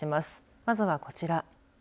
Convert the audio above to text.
まずはこちら。